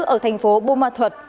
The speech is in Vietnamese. ở thành phố bung mật thuật